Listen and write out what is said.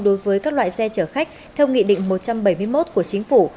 đối với các loại xe chở khách theo nghị định một trăm bảy mươi một của chính phủ